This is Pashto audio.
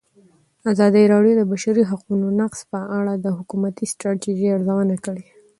ازادي راډیو د د بشري حقونو نقض په اړه د حکومتي ستراتیژۍ ارزونه کړې.